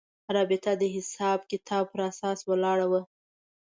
رابطه د حساب کتاب پر اساس ولاړه وه.